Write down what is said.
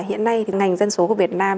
hiện nay ngành dân số của việt nam